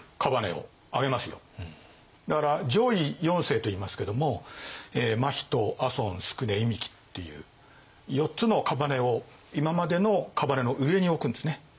だから上位四姓といいますけども真人朝臣宿忌寸っていう４つの姓を今までの姓の上に置くんですね。